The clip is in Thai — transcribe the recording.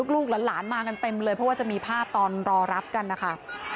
ลูกหลานมากันเต็มเลยเพราะว่าจะมีภาพตอนรอรับกันนะคะ